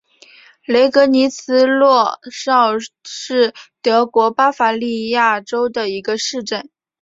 雷格尼茨洛绍是德国巴伐利亚州的一个市镇。